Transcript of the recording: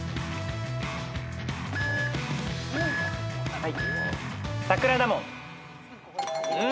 はい。